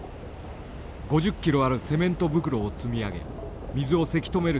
５０ｋｇあるセメント袋を積み上げ水をせき止める作戦に出た。